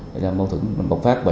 đây là mâu thuẫn bọc phát bệnh viện